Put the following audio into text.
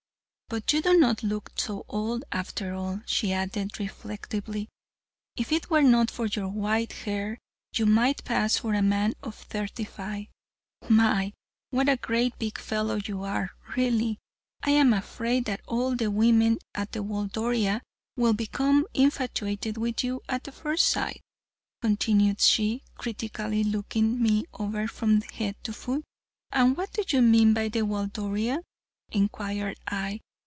"But you do not look so old, after all," she added reflectively, "if it were not for your white hair you might pass for a man of thirty five. My! what a great big fellow you are! Really, I am afraid that all of the women at the Waldoria will become infatuated with you at first sight," continued she, critically looking me over from head to foot. "And what do you mean by the Waldoria?" inquired I.